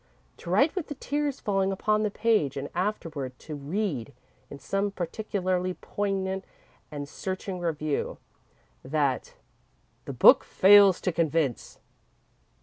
To write with the tears falling upon the page, and afterward to read, in some particularly poignant and searching review, that "the book fails to convince!"